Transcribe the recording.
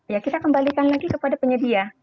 ya kita kembalikan lagi kepada penyedia